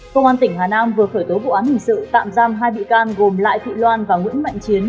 công an tỉnh hà nam vừa khởi tố vụ án hình sự tạm giam hai bị can gồm lại thị loan và nguyễn mạnh chiến